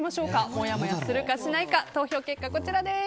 もやもやするかしないか投票結果はこちらです。